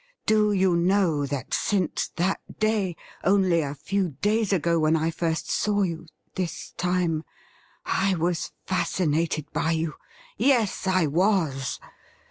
'Do you know that since that day — only a few days ago — when I first saw you — ^this time — I was fascinated by you ? Yes, I was